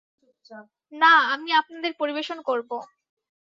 না, আমি আপনাদের পরিবেশন করব।